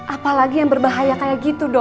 apalagi yang berbahaya kayak gitu dok